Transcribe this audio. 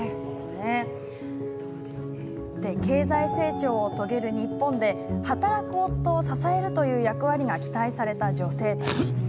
経済成長を遂げる日本で働く夫を支えるという役割が期待された女性たち。